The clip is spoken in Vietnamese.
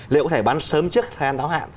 liệu có thể bán sớm trước thời gian tháo hạn